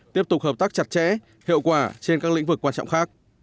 tiếp tục hợp tác chặt chẽ hiệu quả trên các lĩnh vực quan trọng khác